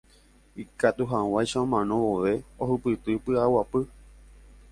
Ikatuhag̃uáicha omano vove ohupyty py'aguapy.